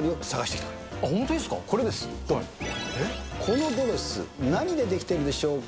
このドレス、何で出来てるんでしょうか。